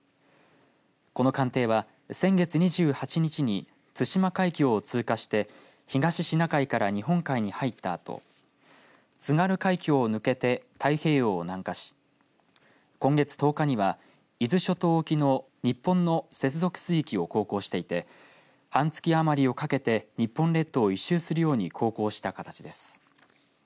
この艦艇は先月２８日に対馬海峡を通過して東シナ海から日本海に入ったあと津軽海峡を抜けて太平洋を南下し今月１０日には伊豆諸島沖の日本の接続水域を航行していて半月余りをかけて日本列島を１周するように航行した形です。